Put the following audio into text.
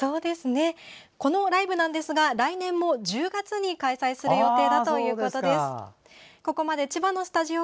このライブなんですが来年も１０月に開催する予定だということです。